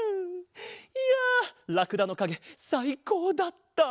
いやラクダのかげさいこうだった！